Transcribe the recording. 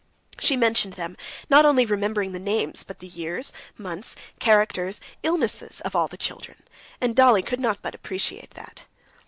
She mentioned them, not only remembering the names, but the years, months, characters, illnesses of all the children, and Dolly could not but appreciate that.